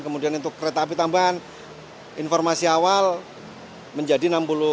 kemudian untuk kereta api tambahan informasi awal menjadi enam puluh tujuh